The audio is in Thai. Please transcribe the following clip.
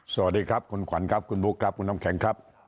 สวัสดีครับคุณขวัญครับคุณบุ๊คครับคุณน้ำแข็งครับ